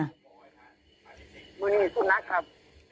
วันนี้สุดนักครับ